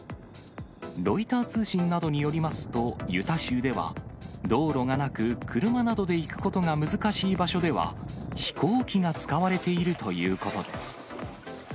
ロイター通信などによりますと、ユタ州では道路がなく、車などで行くことが難しい場所では、飛行機が使われているということです。